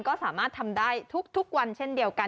ก็สามารถทำได้ทุกวันเช่นเดียวกัน